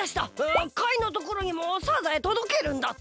カイのところにもサザエとどけるんだった！